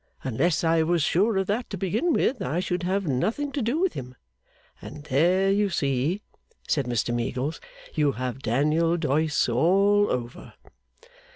Unless I was sure of that to begin with, I should have nothing to do with him." And there, you see,' said Mr Meagles, 'you have Daniel Doyce all over.